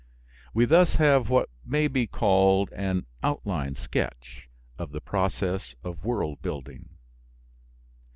We thus have what may be called an outline sketch of the process of World building.